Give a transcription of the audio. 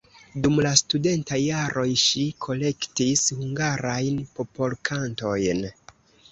Dum la studentaj jaroj ŝi kolektis hungarajn popolkantojn.